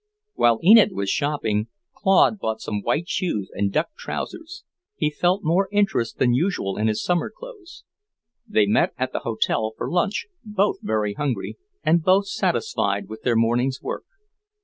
While Enid was shopping, Claude bought some white shoes and duck trousers. He felt more interest than usual in his summer clothes. They met at the hotel for lunch, both very hungry and both satisfied with their morning's work.